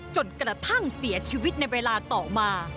จนกระทั่งเสียชีวิตในเวลาต่อมา